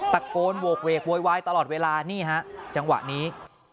ตะโกนโหกเวกโวยวายตลอดเวลานี่ฮะจังหวะนี้